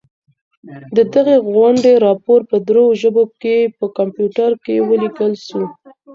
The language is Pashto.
د دغي غونډې راپور په درو ژبو کي په کمپیوټر کي ولیکل سو.